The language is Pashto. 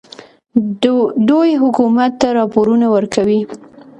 دوی حکومت ته راپورونه ورکوي.